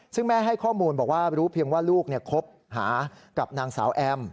ซึ่งแม่ให้ข้อมูลบอกว่ารู้เพียงว่าลูกคบหากับนางสาวแอม